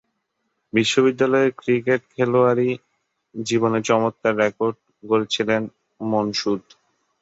বিশ্ববিদ্যালয়ের ক্রিকেট খেলোয়াড়ী জীবনে চমৎকার রেকর্ড গড়েছিলেন মন সুদ।